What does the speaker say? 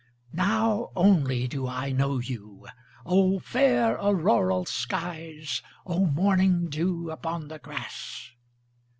Now only do I know you, O fair auroral skies O morning dew upon the grass!